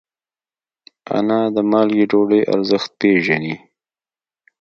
انا د مالګې ډوډۍ ارزښت پېژني